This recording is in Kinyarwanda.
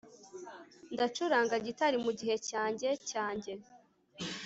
ndacuranga gitari mugihe cyanjye cyanjye